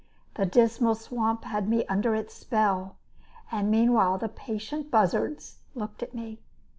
The dismal swamp had me under its spell, and meanwhile the patient buzzards looked at me.